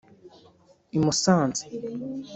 i Musanze